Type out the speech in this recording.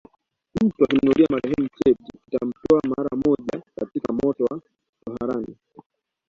Mtu akimnunulia marehemu cheti kitamtoa mara moja katika moto wa toharani